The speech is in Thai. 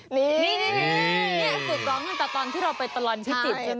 นี่ฝึกร้องตั้งแต่ตอนที่เราไปตลอดพิจิตรใช่ไหม